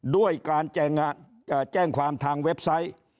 ด้วยการแจ้งความทางเว็บไซต์